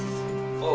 ああ。